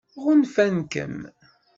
Ɣunfan-kem?